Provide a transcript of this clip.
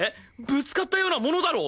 ぶつかったようなものだろ？